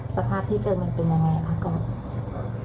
สภาพที่เจอมันเป็นยังไงคะก่อน